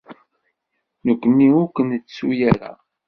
Nekkni ur k-nettu ara.